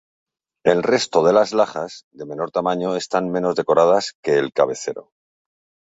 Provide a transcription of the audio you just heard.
El resto de las lajas, de menor tamaño están menos decoradas que el cabecero.